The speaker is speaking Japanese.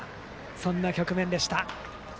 そんな局面でした。